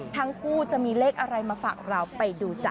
ทั้งคู่จะมีเลขอะไรมาฝากเราไปดูจ้ะ